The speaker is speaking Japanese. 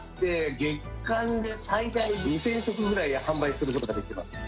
月間で最大２０００食ぐらい販売することができます。